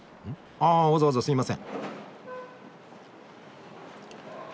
あわざわざすいません。